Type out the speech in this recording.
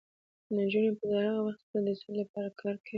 نجونې به تر هغه وخته پورې د سولې لپاره کار کوي.